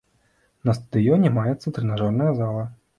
На стадыёне маецца трэнажорная зала.